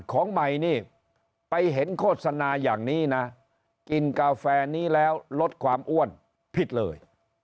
ของใหม่นี่ไปเห็นโฆษณาอย่างนี้นะกินกาแฟนี้แล้วลดความอ้วนผิดเลย